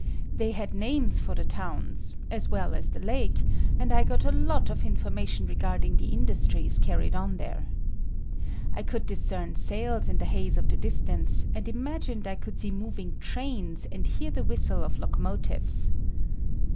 They had names for the towns, as well as the lake, and I got a lot of information regarding the industries carried on there. I could discern sails in the haze of the distance, and imagined I could see moving trains and hear the whistle of lo comotives.